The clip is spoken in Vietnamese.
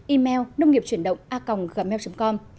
email nông nghiệpchuyểnđộngaconggmail com